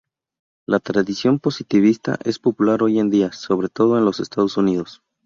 La tradición positivista es popular hoy en día, sobre todo en los Estados Unidos.